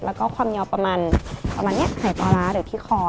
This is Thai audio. แล้วก็ความเยาว์ประมาณไห่ปอล้านหรือที่คอ